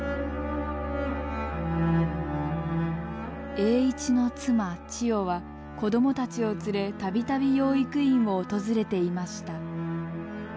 栄一の妻千代は子供たちを連れ度々養育院を訪れていました。